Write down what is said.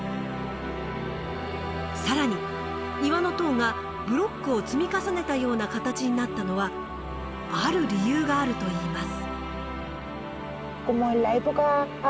更に岩の塔がブロックを積み重ねたような形になったのはある理由があるといいます。